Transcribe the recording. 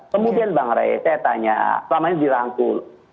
kemudian bang rey saya tanya selama ini dirangkul